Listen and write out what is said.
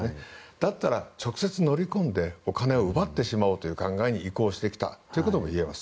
だったら直接乗り込んでお金を奪ってしまおうという考えに移行してきたと言えます。